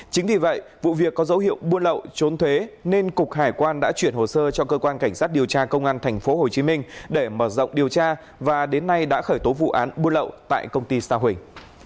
chính vì vậy vụ việc có dấu hiệu buôn lậu trốn thuế nên cục hải quan đã chuyển hồ sơ cho cơ quan cảnh sát điều tra công an tp hcm để mở rộng điều tra và đến nay đã khởi tố vụ án buôn lậu tại công ty sa huỳnh